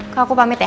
kak aku pamit ya